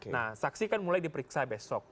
nah saksi kan mulai diperiksa besok